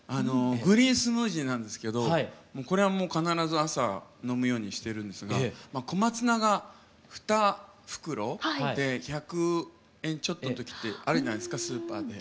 グリーンスムージーなんですけどこれはもう必ず朝飲むようにしてるんですが小松菜が２袋で１００円ちょっとのときってあるじゃないですかスーパーで。